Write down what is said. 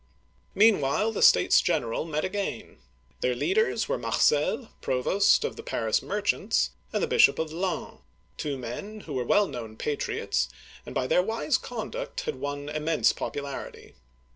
Meanwhile the States General met again. Their leaders were Marcel', provost of the Paris merchants, and the Bishop of Laon, (laN) — two men who were well known patriots, and by their wise conduct had won immense popularity.